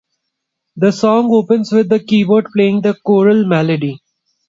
The song opens with a keyboard playing the choral melody.